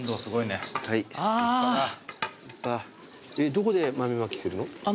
どこで豆まきするの？